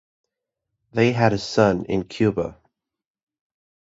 They had a son in Cuba.